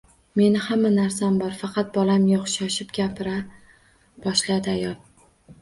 Meni hamma narsam bor, faqat bolam yo`q, shoshib gapira boshladi ayol